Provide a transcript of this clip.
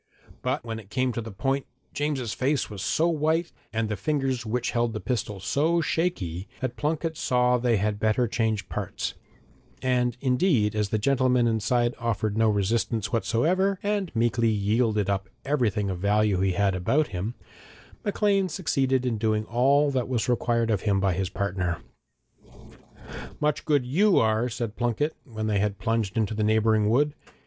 But when it came to the point, James's face was so white, and the fingers which held the pistol so shaky, that Plunket saw they had better change parts, and indeed, as the gentleman inside offered no resistance whatever, and meekly yielded up everything of value he had about him, Maclean succeeded in doing all that was required of him by his partner. 'Much good you are!' said Plunket, when they had plunged into the neighbouring wood.